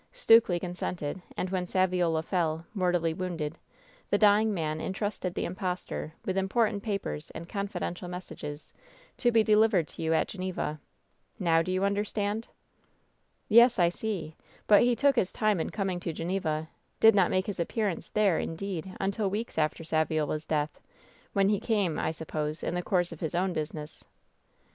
Stukely consented, and when Saviola fell, mortally wounded, the dying man intrusted the impostor with im portant papers and confidential messages, to be deliv ered to you at Geneva. Now do you understand V "Yes, I see. But he took his time in coming to Ge neva ; did not make his appearance there, indeed, until weeks after Saviola's death, when he came, I suppose, in the course of his own business."